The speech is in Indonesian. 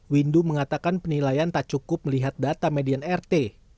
windu mengatakan penilaian tak cukup melihat data median rt